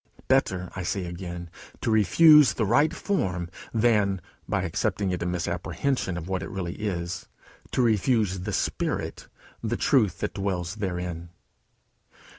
Better, I say again, to refuse the right form, than, by accepting it in misapprehension of what it really is, to refuse the spirit, the truth that dwells therein.